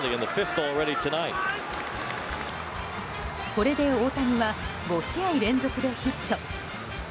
これで大谷は５試合連続でヒット。